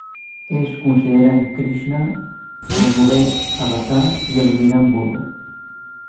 Ells consideren Krixna el novè avatar i eliminen Buda.